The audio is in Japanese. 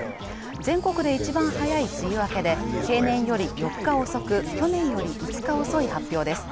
全国で一番早い梅雨明けで、平年より４日遅く、去年より５日遅い発表です。